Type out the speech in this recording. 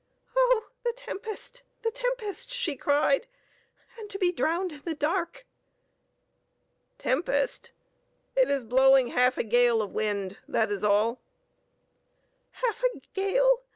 "Oh, the tempest! the tempest!" she cried. "And to be drowned in the dark!" "Tempest? It is blowing half a gale of wind; that is all." "Half a gale!